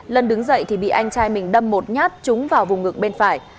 lân đứng dậy thì bị anh trai mình đâm một nhát trúng vào vùng ngực bên phải